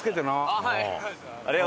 ああはい！